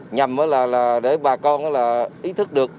nhằm để bà con ý thức được